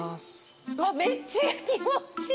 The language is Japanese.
めっちゃ気持ちいい。